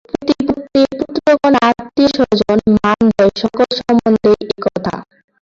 পতিপত্নী, পুত্রকন্যা, আত্মীয়স্বজন, মানযশ সকল সম্বন্ধেই এই কথা।